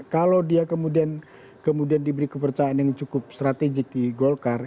kalau dia kemudian diberi kepercayaan yang cukup strategik di golkar